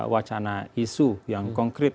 wacana isu yang konkret